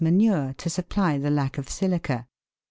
manure to supply the lack of silica.